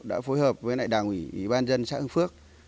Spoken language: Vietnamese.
đã phối hợp với đảng ủy ủy ban dân xã hưng phước